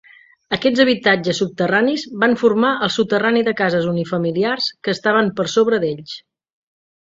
Aquests habitatges subterranis van formar el soterrani de cases unifamiliars que estaven per sobre d'ells.